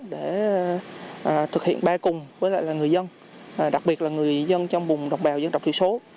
để thực hiện ba cùng với lại là người dân đặc biệt là người dân trong bùng đồng bào dân tộc thiểu số